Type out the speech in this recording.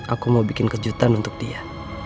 aku mau bikin kejutan untuk dia